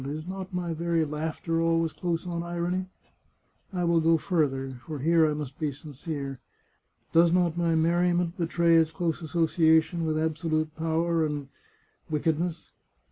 Is not my very laughter always close on irony? ... I will go further — for here I must be sincere — does not my merriment betray its close association with absolute power and ... wicked ness